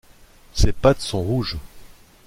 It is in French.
Ses pattes sont rouges.